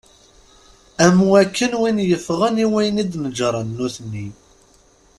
Am wakken win yeffɣen i wayen i d-neǧǧren nutni.